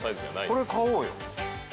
これ買おうよ。